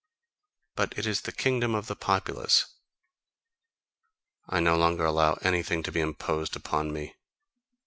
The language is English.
But it is the kingdom of the populace I no longer allow anything to be imposed upon me.